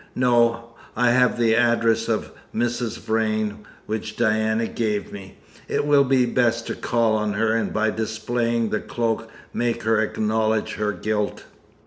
No, I have the address of Mrs. Vrain, which Diana gave me. It will be best to call on her, and by displaying the cloak make her acknowledge her guilt.